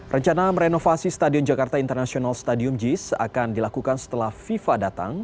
rencana merenovasi stadion jakarta international stadium jis akan dilakukan setelah fifa datang